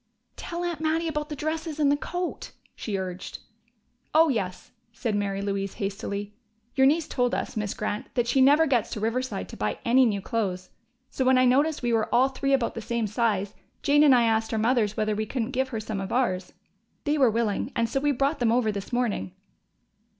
"Tell Aunt Mattie about the dresses and the coat," she urged. "Oh, yes," said Mary Louise hastily. "Your niece told us, Miss Grant, that she never gets to Riverside to buy any new clothes, so when I noticed we were all three about the same size, Jane and I asked our mothers whether we couldn't give her some of ours. They were willing, and so we brought them over this morning."